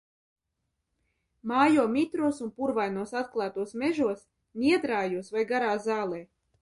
Mājo mitros un purvainos, atklātos mežos, niedrājos vai garā zālē.